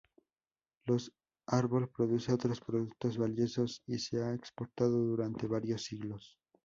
Los árbol produce otros productos valiosos y se ha exportado durante varios siglos.